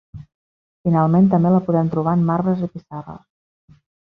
Finalment també la podem trobar en marbres i pissarres.